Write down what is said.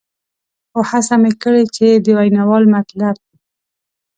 خو هڅه مې کړې چې د ویناوال مطلب.